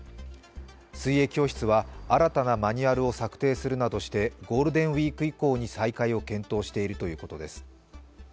水泳教室は新たなマニュアルを策定するなどしてゴールデンウイーク以降に再開を検討しているということです。